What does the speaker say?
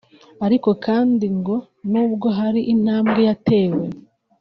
Ariko kandi ngo nubwo hari intambwe yatewe